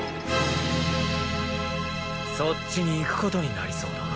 そっちに行くことになりそうだ。